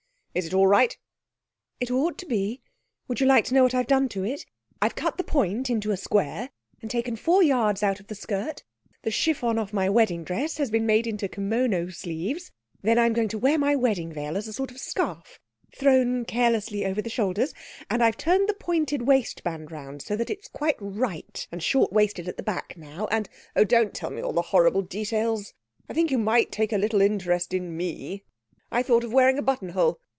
'Is it all right?' 'It ought to be. Would you like to know what I've done to it? I've cut the point into a square, and taken four yards out of the skirt; the chiffon off my wedding dress has been made into kimono sleeves; then I'm going to wear my wedding veil as a sort of scarf thrown carelessly over the shoulders; and I've turned the pointed waist band round, so that it's quite right and short waisted at the back now, and ' 'Oh, don't tell me the horrible details! I think you might take a little interest in me. I thought of wearing a buttonhole.